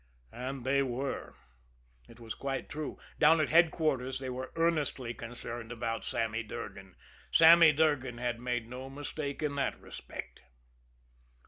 And they were. It was quite true. Down at headquarters they were earnestly concerned about Sammy Durgan. Sammy Durgan had made no mistake in that respect.